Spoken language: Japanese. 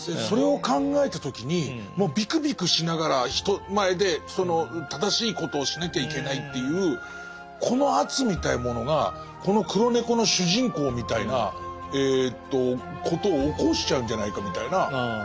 それを考えた時にもうびくびくしながら人前で正しいことをしなきゃいけないっていうこの圧みたいなものがこの「黒猫」の主人公みたいなことを起こしちゃうんじゃないかみたいな。